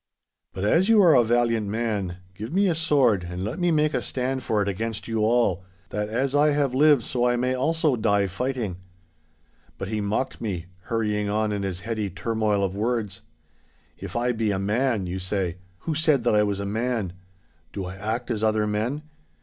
But as you are a valiant man, give me a sword and let me make a stand for it against you all, that as I have lived so I may also die fighting.' But he mocked me, hurrying on in his heady turmoil of words. '"If I be a man," you say—who said that I was a man? Do I act as other men?